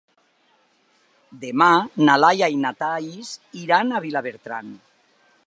Demà na Laia i na Thaís iran a Vilabertran.